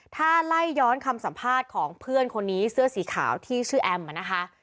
ถ้าไล่ย้อนคำสัมภาษณ์ของเพื่อนคนนี้เสื้อสีขาวที่ชื่อแอมนะคะ